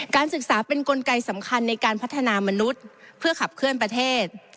ศึกษาเป็นกลไกสำคัญในการพัฒนามนุษย์เพื่อขับเคลื่อนประเทศ